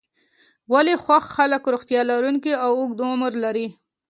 ولې خوښ خلک روغتیا لرونکی او اوږد عمر لري.